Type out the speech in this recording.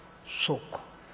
「そうか。